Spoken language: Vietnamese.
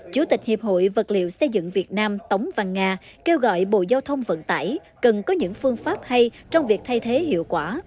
chủ tịch hiệp hội vật liệu xây dựng việt nam tống văn nga kêu gọi bộ giao thông vận tải cần có những phương pháp hay trong việc thay thế hiệu quả